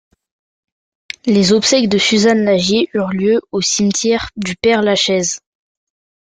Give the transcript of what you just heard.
Les obsèques de Suzanne Lagier eurent lieu le au cimetière du Père-Lachaise.